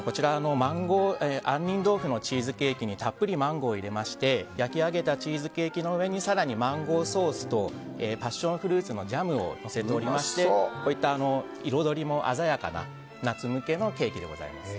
杏仁豆腐のチーズケーキにたっぷりマンゴーを入れまして焼き上げたチーズケーキの上に更にマンゴーソースとパッションフルーツのジャムをのせておりましてこういった彩りも鮮やかな夏向けのケーキでございます。